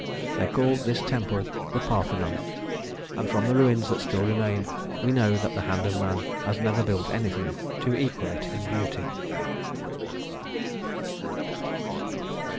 They called this temple the Parthenon, and from the ruins that still remain we know that the hand of man has never built anything to equal it in beauty.